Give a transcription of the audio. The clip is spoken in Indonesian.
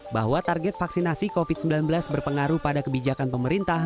bahwa target vaksinasi covid sembilan belas berpengaruh pada kebijakan pemerintah